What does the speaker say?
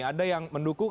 ada yang mendukung